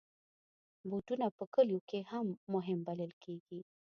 بوټونه په کلیو کې هم مهم بلل کېږي.